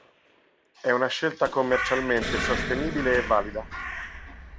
È una scelta commercialmente sostenibile e valida.